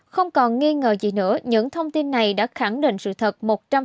không còn nghi ngờ gì nữa những thông tin này đã khẳng định sự thật một trăm linh